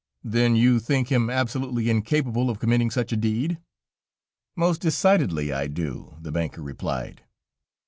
"Then you think him absolutely incapable of committing such a deed?" "Most decidedly I do," the banker replied.